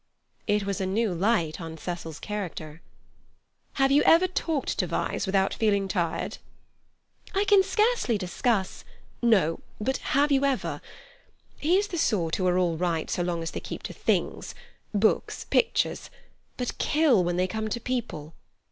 It was a new light on Cecil's character. "Have you ever talked to Vyse without feeling tired?" "I can scarcely discuss—" "No, but have you ever? He is the sort who are all right so long as they keep to things—books, pictures—but kill when they come to people.